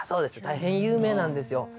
大変有名なんですよ。